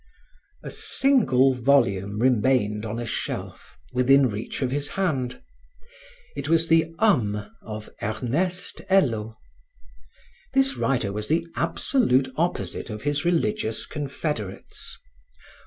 A single volume remained on a shelf, within reach of his hand. It was the Homme of Ernest Hello. This writer was the absolute opposite of his religious confederates.